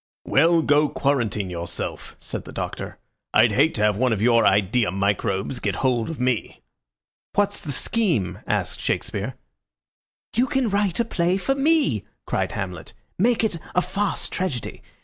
"Well, go quarantine yourself," said the Doctor. "I'd hate to have one of your idea microbes get hold of me." "What's the scheme?" asked Shakespeare. "You can write a play for me!" cried Hamlet. "Make it a farce tragedy.